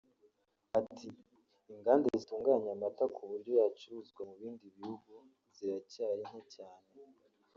Ati “Inganda zitunganya amata ku buryo yacuruzwa mu bindi bihugu ziracyari nke cyane